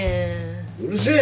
うるせえ！